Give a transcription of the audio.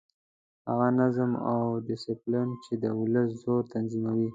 هغه نظم او ډسپلین چې د ولس زور تنظیموي.